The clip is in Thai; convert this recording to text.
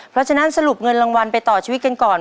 เพราะฉะนั้นสรุปเงินรางวัลไปต่อชีวิตกันก่อน